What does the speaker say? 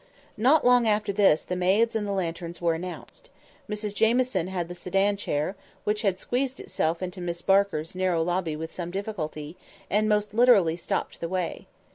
Not long after this the maids and the lanterns were announced. Mrs Jamieson had the sedan chair, which had squeezed itself into Miss Barker's narrow lobby with some difficulty, and most literally "stopped the way."